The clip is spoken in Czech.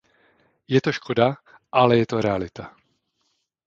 Je to škoda, ale je to realita.